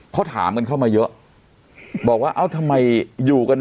เขาถามกันเข้ามาเยอะบอกว่าเอ้าทำไมอยู่กัน